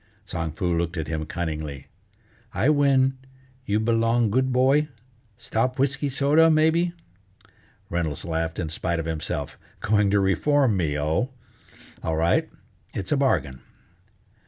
Tsang Foo looked at him cunningly: "I win, you belong good boy? Stop whisky soda, maybe?" Reynolds laughed in spite of himself: "Going to reform me, oh? All right, it's a bargain."